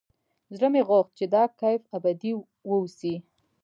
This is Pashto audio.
زړه مې غوښت چې دا کيف ابدي واوسي.